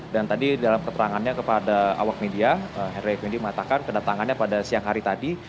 dan tadi dalam keterangannya kepada awak media henry fnd mengatakan kedatangannya pada siang hari tadi